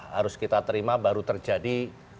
harus kita terima baru terjadi